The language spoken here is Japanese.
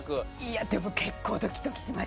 いやでも結構ドキドキしました。